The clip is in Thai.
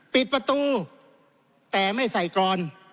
ปิดประตูแต่ไม่ใส่กรอน